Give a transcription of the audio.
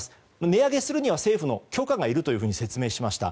値上げするには政府の許可がいると説明しました。